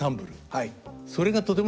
はい。